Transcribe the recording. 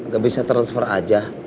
gak bisa transfer aja